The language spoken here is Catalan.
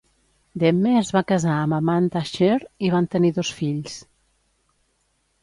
Demme es va casar amb Amanda Scheer i van tenir dos fills.